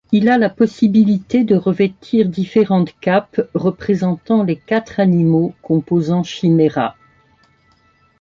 Il a la possibilité de revêtir différentes capes représentant les quatre animaux composants Chimera.